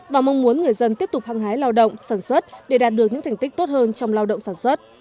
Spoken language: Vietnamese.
và mong muốn người dân tiếp tục hăng hái lao động sản xuất để đạt được những thành tích tốt hơn trong lao động sản xuất